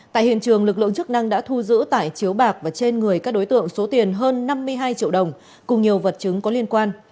tại hiện trường lực lượng chức năng đã thu giữ tải chiếu bạc và trên người các đối tượng số tiền hơn năm mươi hai triệu đồng cùng nhiều vật chứng có liên quan